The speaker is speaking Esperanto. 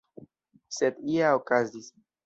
Sed ja okazis!